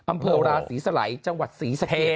อำเภอวราศรีสไหลจังหวัดศรีสะเกียจ